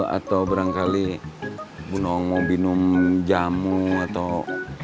atau barangkali bu nongo minum jamu atau